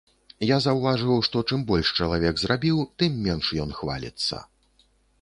Я заўважыў, што чым больш чалавек зрабіў, тым менш ён хваліцца.